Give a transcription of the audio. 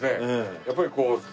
やっぱりこう。